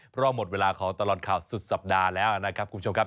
เพราะหมดเวลาของตลอดข่าวสุดสัปดาห์แล้วนะครับคุณผู้ชมครับ